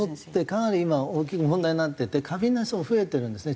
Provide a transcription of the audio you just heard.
かなり今大きく問題になってて過敏な人も増えてるんですね。